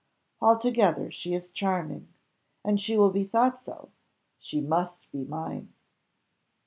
altogether she is charming! and she will be thought so! she must be mine!"